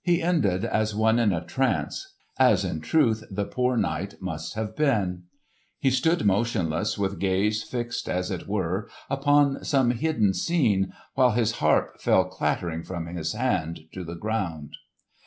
He ended as one in a trance—as in truth the poor knight must have been. He stood motionless with gaze fixed as it were upon some hidden scene, while his harp fell clattering from his hand to the ground.